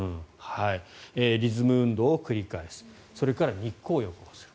リズム運動を繰り返すそれから日光浴をする。